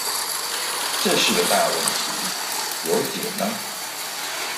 這是個大問題，有解嗎？